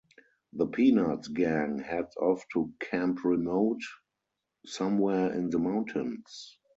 The "Peanuts" gang heads off to Camp Remote somewhere in the mountains.